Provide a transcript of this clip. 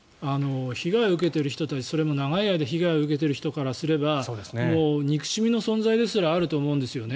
被害を受けている人たちそれも長い間被害を受けている人からすれば憎しみの存在ですらあると思うんですよね。